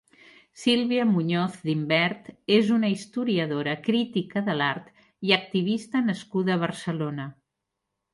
Sílvia Muñoz d'Imbert és una historiadora, critica de l'art i activista nascuda a Barcelona.